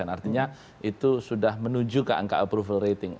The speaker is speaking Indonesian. artinya itu sudah menuju ke angka approval rating